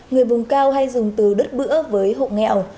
người vùng cao hay dùng từ đất bữa với hộ nghèo